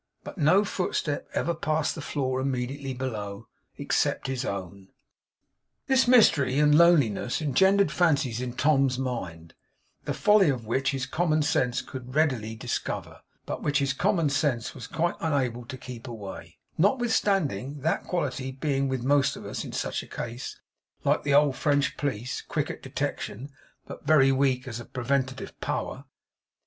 But no footstep ever passed the floor immediately below: except his own. This mystery and loneliness engendered fancies in Tom's mind, the folly of which his common sense could readily discover, but which his common sense was quite unable to keep away, notwithstanding; that quality being with most of us, in such a case, like the old French Police quick at detection, but very weak as a preventive power.